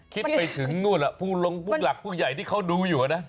คิดไปถึงนู่นผู้ลงผู้หลักผู้ใหญ่ที่เขาดูอยู่นะ